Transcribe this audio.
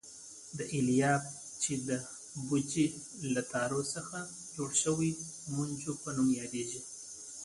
دا الیاف چې د بوجۍ له تارو څخه جوړېږي مونجو په نوم یادیږي.